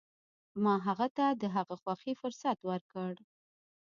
ما هغه ته د هغه د خوښې فرصت ورکړ.